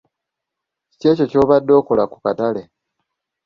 Kiki ekyo ky'obadde okola ku ttale?